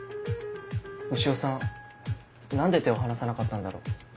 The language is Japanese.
潮さん何で手を離さなかったんだろう。